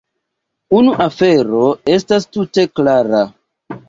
Unu afero estas tute klara.